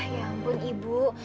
ya ampun ibu